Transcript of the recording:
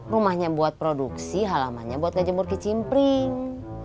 rumahnya buat produksi halamannya buat ngejemur kicimpring